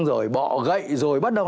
rồi bọ gậy rồi bắt đầu